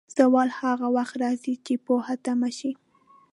زوال هغه وخت راځي، چې پوهه تم شي.